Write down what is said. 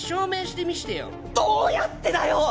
どうやってだよ！